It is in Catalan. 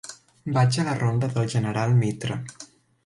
Vaig a la ronda del General Mitre.